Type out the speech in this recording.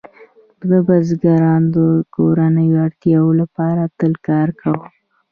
بزګرانو د کورنیو اړتیاوو لپاره تل کار کاوه.